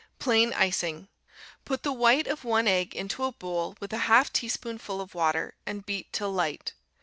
Plain Icing Put the white of one egg into a bowl with a half teaspoonful of water, and beat till light.